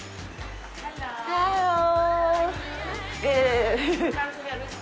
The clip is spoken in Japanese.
ハロー。